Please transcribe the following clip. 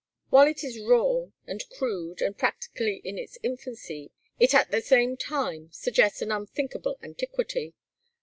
While it is raw, and crude, and practically in its infancy, it at the same time suggests an unthinkable antiquity.